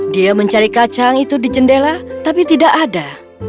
dia mencari kacang itu di jendela tapi tidak ada